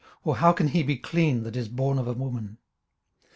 or how can he be clean that is born of a woman?